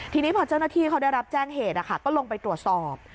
ทีนี้พอเจ้าหน้าที่เขาได้รับแจ้งเหตุก็ลงไปตรวจสอบ